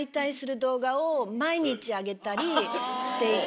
していて。